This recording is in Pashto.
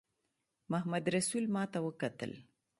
محمدرسول ماته وکتل.